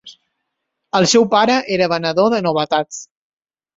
El seu pare era venedor de novetats.